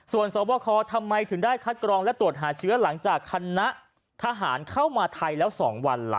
ส่วนสวบคทำไมถึงได้คัดกรองและตรวจหาเชื้อหลังจากคณะทหารเข้ามาไทยแล้ว๒วันล่ะ